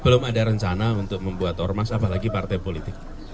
belum ada rencana untuk membuat ormas apalagi partai politik